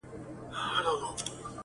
ستونی ولي په نارو څیرې ناحقه-